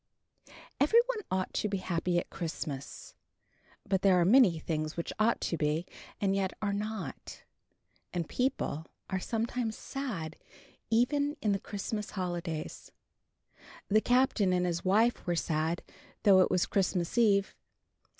Every one ought to be happy at Christmas. But there are many things which ought to be, and yet are not; and people are sometimes sad even in the Christmas holidays. The Captain and his wife were sad, though it was Christmas Eve.